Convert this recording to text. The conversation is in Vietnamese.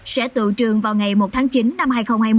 sẽ tự trường vào ngày một tháng chín năm hai nghìn hai mươi